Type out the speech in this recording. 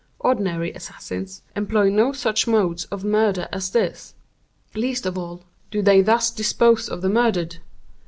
Ordinary assassins employ no such modes of murder as this. Least of all, do they thus dispose of the murdered.